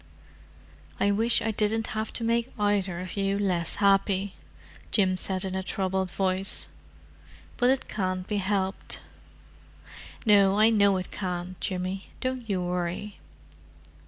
"I wish I didn't have to make either of you less happy," Jim said in a troubled voice. "But it can't be helped." "No, I know it can't, Jimmy. Don't you worry."